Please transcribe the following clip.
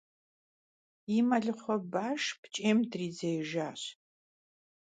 Yi melıxhue başş pç'em dridzêijjaş.